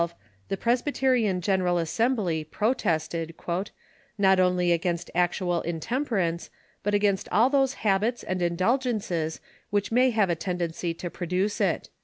598 THE CnURCH IN THE UNITED STATES the Presbyterian General Assembly protested " not only against actual intemperance, but against all those habits and indulgences which may have a tendency to produce it."